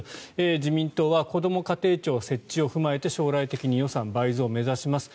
自民党はこども家庭庁設置を踏まえて将来的に予算倍増を目指します。